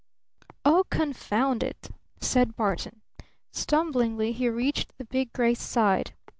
"Oh, confound it!" said Barton. Stumblingly he reached the big gray's side.